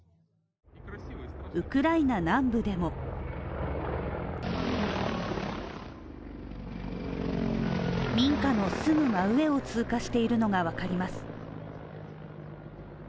ウクライナ南部でも民家のすぐ真上を通過しているのが分かります